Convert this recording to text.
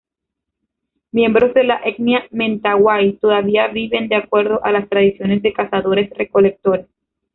Miembros de la etnia mentawai todavía viven de acuerdo a las tradiciones de cazadores-recolectores.